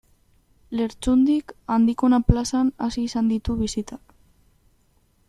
Lertxundik Andikona plazan hasi izan ditu bisitak.